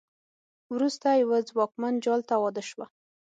وروسته یوه ځواکمن جال ته واده شوه.